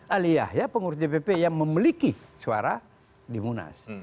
aliyah ya pengurus dpp yang memiliki suara di munas